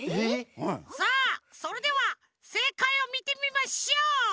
さあそれではせいかいをみてみましょう。